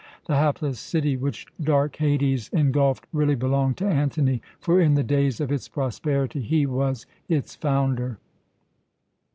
The hapless city which dark Hades ingulfed really belonged to Antony, for in the days of its prosperity he was its founder."